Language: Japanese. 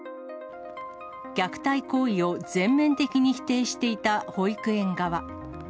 虐待行為を全面的に否定していた保育園側。